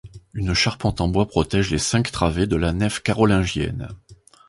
Une charpente en bois protège les cinq travées de la nef carolingienne.